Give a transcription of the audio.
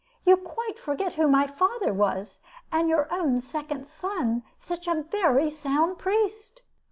You quite forget who my father was, and your own second son such a very sound priest!"